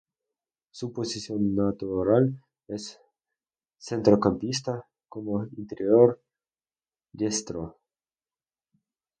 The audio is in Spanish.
Su posición natural es centrocampista, como interior diestro.